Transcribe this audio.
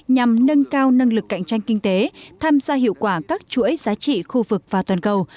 nhằm nâng cao năng lực cạnh tranh kinh tế tham gia hiệu quả các chuỗi giá trị khu vực và toàn cầu